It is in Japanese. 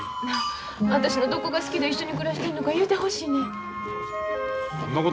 なあ私のどこが好きで一緒に暮らしてるのか言うてほしいねん。